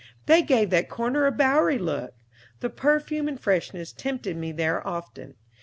They gave that corner a bowery look; the perfume and freshness tempted me there often.